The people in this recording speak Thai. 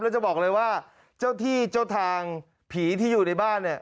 แล้วจะบอกเลยว่าเจ้าที่เจ้าทางผีที่อยู่ในบ้านเนี่ย